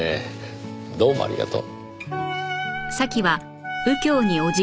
どうもありがとう。